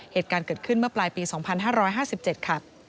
เหตุการณ์เกิดขึ้นเมื่อปลายปี๒๕๕๗ค่ะ